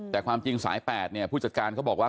แต่ความจริงสาย๘ผู้จัดการก็บอกว่า